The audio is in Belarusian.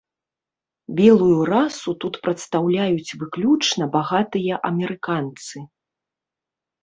Белую расу тут прадстаўляюць выключна багатыя амерыканцы.